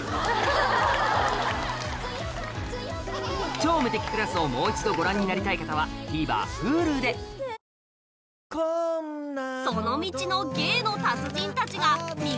『超無敵クラス』をもう一度ご覧になりたい方はＴＶｅｒＨｕｌｕで届け。